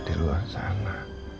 di luar sana